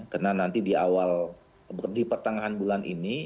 karena nanti di awal di pertengahan bulan ini